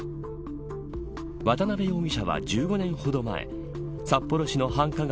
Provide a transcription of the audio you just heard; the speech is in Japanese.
渡辺容疑者は１５年ほど前札幌市の繁華街